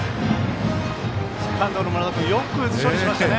セカンドの村田君よく処理しましたよね。